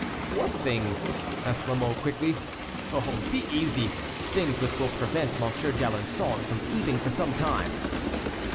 "What things?" asked La Mole, quickly. "Oh, be easy—things which will prevent Monsieur d'Alençon from sleeping for some time."